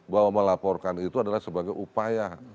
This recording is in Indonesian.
bahwa melaporkan itu adalah sebagai upaya